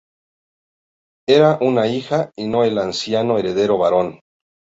Era una hija, y no el ansiado heredero varón.